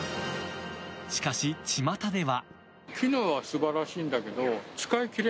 しかし、ちまたでは。